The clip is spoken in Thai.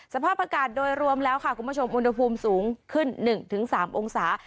สภาพประกาศโดยรวมแล้วค่ะคุณผู้ชมอุณหภูมิสูงขึ้นหนึ่งถึงสามองศา